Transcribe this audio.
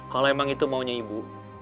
kalau emang itu maunya ibu